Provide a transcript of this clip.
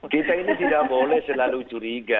kita ini tidak boleh selalu curiga